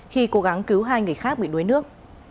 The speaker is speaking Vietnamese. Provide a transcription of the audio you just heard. khi cố gắng cứu hai người khác bị đuối nước